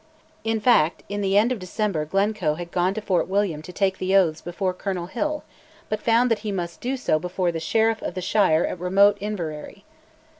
In fact, in the end of December Glencoe had gone to Fort William to take the oaths before Colonel Hill, but found that he must do so before the Sheriff of the shire at remote Inveraray.